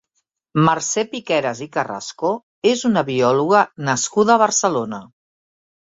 Mercè Piqueras i Carrasco és una biòloga nascuda a Barcelona.